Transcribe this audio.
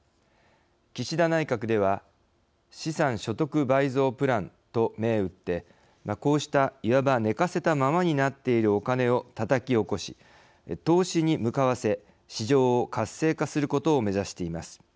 岸田内閣では資産所得倍増プランと銘打ってこうしたいわば寝かせたままになっているお金をたたき起こし投資に向かわせ市場を活性化することを目指しています。